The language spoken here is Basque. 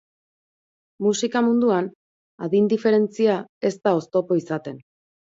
Musika munduan, adin diferentzia ez da oztopo izaten.